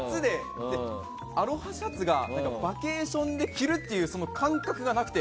アロハシャツがバケーションで着るという感覚がなくて。